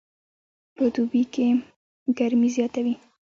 په دوبي کې ګرمي زیاته وي